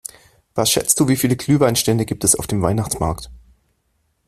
Was schätzt du, wie viele Glühweinstände gibt es auf dem Weihnachtsmarkt?